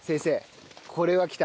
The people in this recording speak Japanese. これは来た！